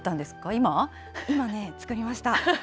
今ね、作りました。